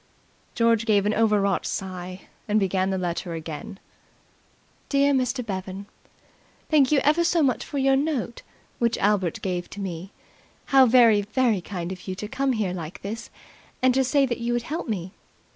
George gave an overwrought sigh and began the letter again. "DEAR MR. BEVAN, "Thank you ever so much for your note which Albert gave to me. How very, very kind of you to come here like this and to say that you would help me.